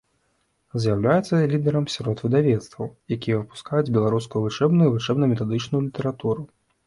З'яўляецца лідарам сярод выдавецтваў, якія выпускаюць беларускую вучэбную і вучэбна-метадычную літаратуру.